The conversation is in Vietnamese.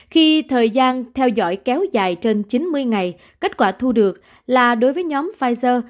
khi thời gian theo dõi kéo dài trên chín mươi ngày kết quả thu được là đối với nhóm pfizer